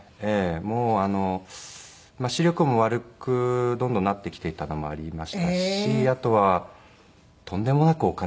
もう視力も悪くどんどんなってきていたのもありましたしあとはとんでもなくお金がかかる。